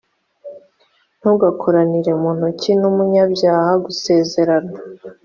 ntugakoranire mu ntoki n umunyabyaha gusezerana